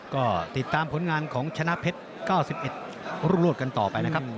ก็ติดตามผลงานของชนะเพชร๙๑รุ่งรวดกันต่อไปนะครับ